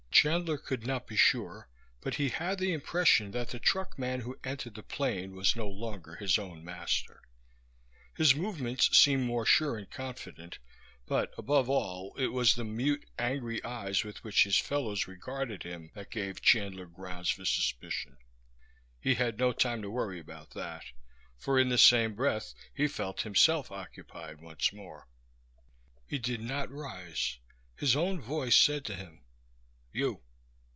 Chandler could not be sure, but he had the impression that the truckman who entered the plane was no longer his own master. His movements seemed more sure and confident, but above all it was the mute, angry eyes with which his fellows regarded him that gave Chandler grounds for suspicion. He had no time to worry about that; for in the same breath he felt himself occupied once more. He did not rise. His own voice said to him, "You.